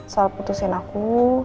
salah putusin aku